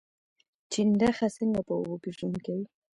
چنډخه څنګه په اوبو کې ژوند کوي؟